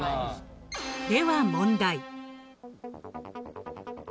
では問題。